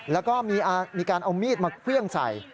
แล้วก็มีการเอามีดมาเครื่องใส่